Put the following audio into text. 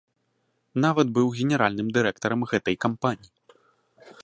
Нават быў генеральным дырэктарам гэтай кампаніі.